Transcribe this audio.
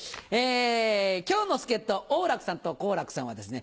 今日の助っ人・王楽さんと好楽さんはですね